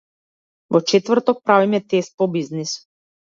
Во четврок правиме тест по бизнис.